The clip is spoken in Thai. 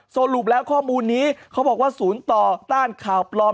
สรุปแล้วข้อมูลนี้เขาบอกว่าศูนย์ต่อต้านข่าวปลอม